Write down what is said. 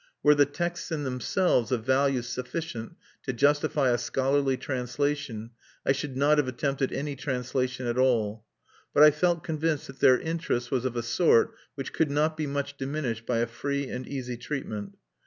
Were the texts in themselves of value sufficient to justify a scholarly translation, I should not have attempted any translation at all; but I felt convinced that their interest was of a sort which could not be much diminished by a free and easy treatment.